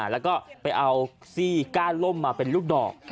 แล้วก็ไปเอาซี่ก้านล่มมาเป็นลูกดอก